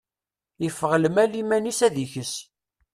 Iffeɣ lmal iman-is ad ikes.